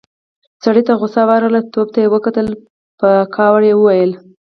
سړي ته غوسه ورغله، تواب ته يې وکتل، په کاوړ يې وويل: